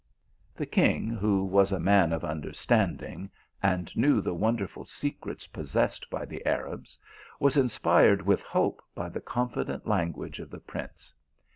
The king, who was a man of understanding, and knew the wonderful secrets possessed by the Arabs, was inspired with hope by the confident language of the prince.